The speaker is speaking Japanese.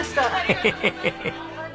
ヘヘヘヘヘ！